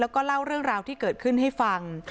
แล้วก็เล่าเรื่องราวที่เกิดขึ้นให้ฟัง